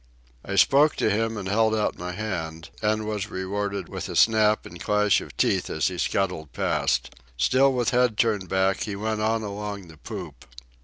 I spoke to him and held out my hand, and was rewarded with a snap and clash of teeth as he scuttled past. Still with head turned back, he went on along the poop.